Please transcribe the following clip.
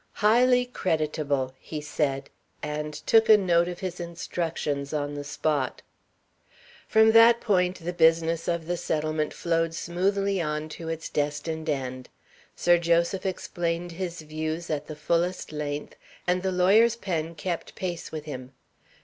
"Highly creditable," he said, and took a note of his instructions on the spot. From that point the business of the settlement flowed smoothly on to its destined end. Sir Joseph explained his views at the fullest length, and the lawyer's pen kept pace with him.